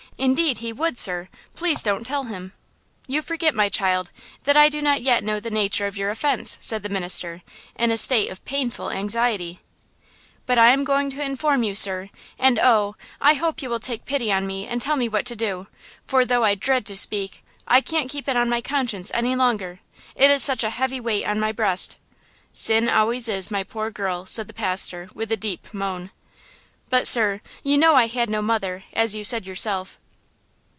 Indeed he would, sir! Please don't tell him!" "You forget, my child, that I do not yet know the nature of your offense," said the minister, in a state of painful anxiety. "But I am going to inform you, sir; and oh! I hope you will take pity on me and tell me what to do; for though I dread to speak, I can't keep it on my conscience any longer, it is such a heavy weight on my breast!" "Sin always is, my poor girl," said the pastor, with a deep moan. "But, sir, you know I had no mother, as you said yourself."